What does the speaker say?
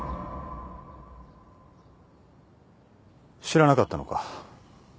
知らなかったのか？